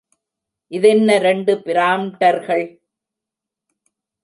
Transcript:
இதென்ன இரண்டு பிராம்டர்கள்?